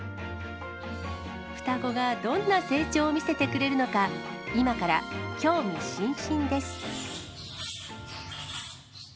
双子がどんな成長を見せてくれるのか、今から興味津々です。